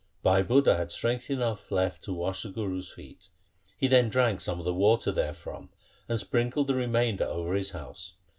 Bhai Budha had strength enough left to wash the Guru's feet. He then drank some of the water therefrom and sprinkled the remainder over his house.